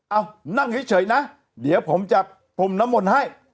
เอานั่งเฉยนะเดี๋ยวผมจะพรมน้ำมนต์ให้